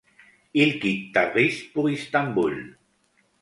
Il quitte Tabriz pour Istanbul.